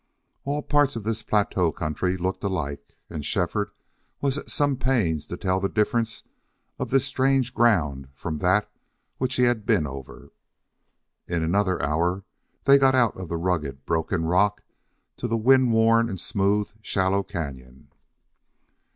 All parts of this plateau country looked alike, and Shefford was at some pains to tell the difference of this strange ground from that which he had been over. In another hour they got out of the rugged, broken rock to the wind worn and smooth, shallow cañon.